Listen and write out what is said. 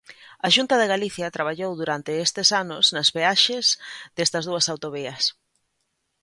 A Xunta de Galicia traballou durante estes anos nas peaxes destas dúas autovías.